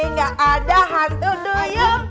nggak ada hantu dulu yuk